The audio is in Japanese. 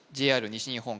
ＪＲ西日本